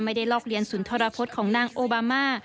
ไม่ได้ลอกเลี้ยนสุนทรพจน์ของนางโอบามา